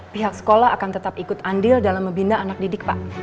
pihak sekolah akan tetap ikut andil dalam membina anak didik pak